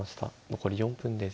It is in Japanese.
残り４分です。